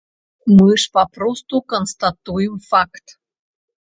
Мы ж папросту канстатуем факт.